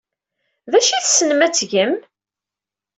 D acu ay tessnem ad t-tgem?